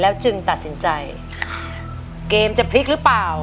จึงตัดสินใจเกมจะพลิกหรือเปล่า